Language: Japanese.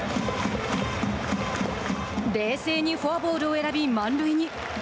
冷静にフォアボールを選び満塁に。